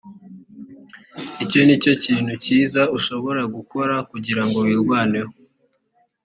icyo ni cyo kintu cyiza ushobora gukora kugira ngo wirwaneho